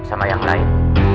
sama yang lain